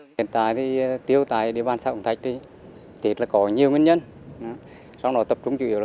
hồ tiêu là một trong những cây trồng chủ lực đem lại nguồn thu nhập chính cho người dân xã quảng thạch